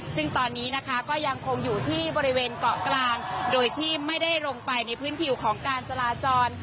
ซึ่งตอนนี้นะคะก็ยังคงอยู่ที่บริเวณเกาะกลางโดยที่ไม่ได้ลงไปในพื้นผิวของการจราจร